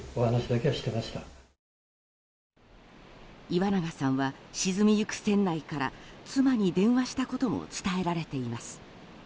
岩永さんは沈みゆく船内から妻に電話したことも伝えられています。